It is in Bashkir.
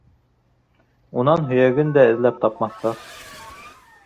Унан һөйәген дә эҙләп тапмаҫтар.